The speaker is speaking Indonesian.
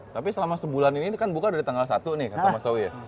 tapi selama sebulan ini kan buka udah tanggal satu nih kata mas owi ya